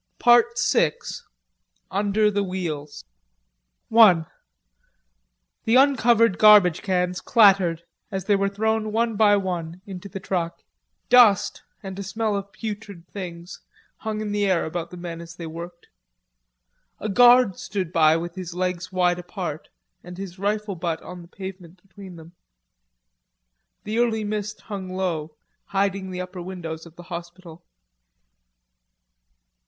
PART SIX: UNDER THE WHEELS I The uncovered garbage cans clattered as they were thrown one by one into the truck. Dust, and a smell of putrid things, hung in the air about the men as they worked. A guard stood by with his legs wide apart, and his rifle butt on the pavement between them. The early mist hung low, hiding the upper windows of the hospital.